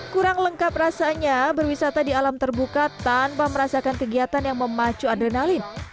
kurang lengkap rasanya berwisata di alam terbuka tanpa merasakan kegiatan yang memacu adrenalin